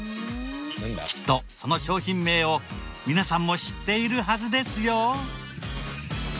きっとその商品名を皆さんも知っているはずですよ。